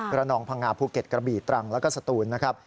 ระนองพังงาภูเก็ตกระบี่ตรังแล้วก็สตูนนะครับ